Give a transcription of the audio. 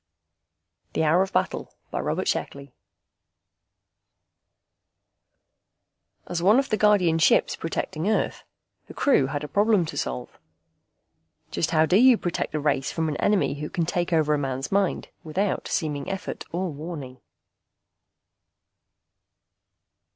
net THE HOUR OF BATTLE BY ROBERT SHECKLEY ILLUSTRATED BY KRENKEL As one of the Guardian ships protecting Earth, the crew had a problem to solve. Just how do you protect a race from an enemy who can take over a man's mind without seeming effort or warning?